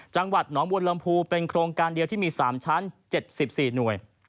จังหวัดหนองบวนลำพูเป็นโครงการเดียวที่มี๓ชั้น๗๔หน่วย